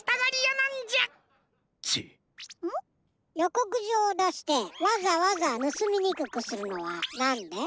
こくじょうをだしてわざわざぬすみにくくするのはなんで？